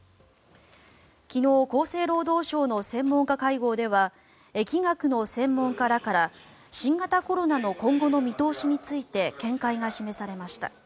昨日、厚生労働省の専門家会合では疫学の専門家らから新型コロナの今後の見通しについて見解が示されました。